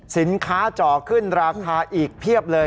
สินค้าเจาะขึ้นราคาอีกเพียบเลย